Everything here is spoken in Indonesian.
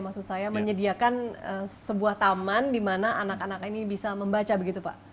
maksud saya menyediakan sebuah taman di mana anak anak ini bisa membaca begitu pak